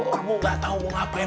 kamu gak tahu mau ngapain